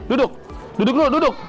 duduk duduk dulu